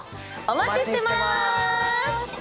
お待ちしてます。